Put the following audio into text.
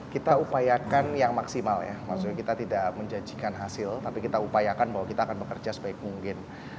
kita upayakan yang maksimal ya maksudnya kita tidak menjanjikan hasil tapi kita upayakan bahwa kita akan bekerja sebaik mungkin